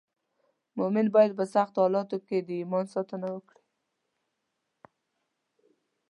مومن باید په سختو حالاتو کې د ایمان ساتنه وکړي.